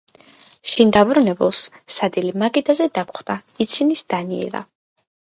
შინ დაბრუნებულს სადილი მაგიდაზე დაგხვდება, – იცინის დანიელა.